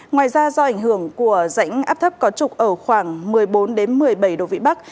ngoài ra do ảnh hưởng của rãnh áp thấp có trục ở khoảng một mươi bốn một mươi bảy độ vĩ bắc